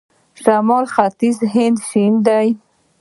شمال ختیځ هند شین دی.